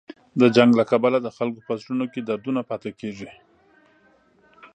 د جنګ له کبله د خلکو په زړونو کې دردونه پاتې کېږي.